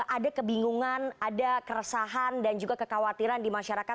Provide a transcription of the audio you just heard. ada kebingungan ada keresahan dan juga kekhawatiran di masyarakat